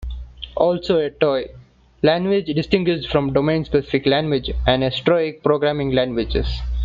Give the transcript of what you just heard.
Also, a "toy" language is distinguished from domain-specific languages and esoteric programming languages.